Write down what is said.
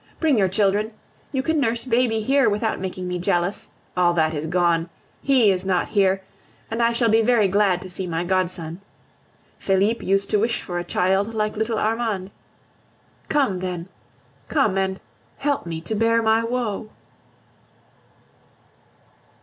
Bring your children; you can nurse baby here without making me jealous; all that is gone, he is not here, and I shall be very glad to see my godson. Felipe used to wish for a child like little Armand. Come, then, come and help me to bear my woe.